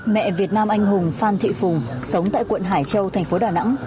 mẹ việt nam anh hùng phan thị phùng sống tại quận hải châu thành phố đà nẵng